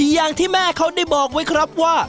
อย่างที่แม่เขาได้บอกไว้ครับว่า